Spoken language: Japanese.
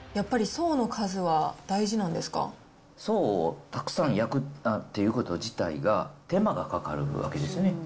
層をたくさん焼くっていうこと自体が、手間がかかるわけですよね。